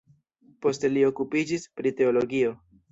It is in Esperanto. Poste li okupiĝis pri teologio.